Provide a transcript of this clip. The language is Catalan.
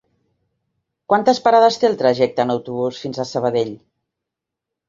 Quantes parades té el trajecte en autobús fins a Sabadell?